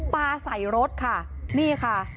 ปลาใส่รถค่ะนี่ค่ะ